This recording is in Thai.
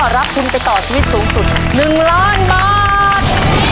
รับทุนไปต่อชีวิตสูงสุด๑ล้านบาท